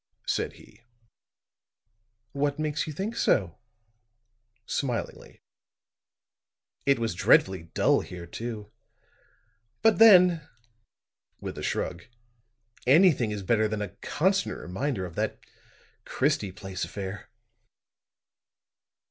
said he. "What makes you think so?" smilingly. "It was dreadfully dull here, too. But then," with a shrug, "anything is better than a constant reminder of that Christie Place affair."